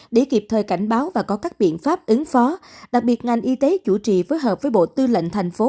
để kịp thời cảnh báo và có các biện pháp ứng phó đặc biệt ngành y tế chủ trì phối hợp với bộ tư lệnh thành phố